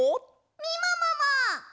みももも！